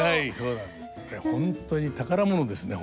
これ本当に宝物ですね